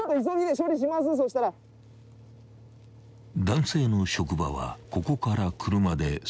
［男性の職場はここから車で数十分］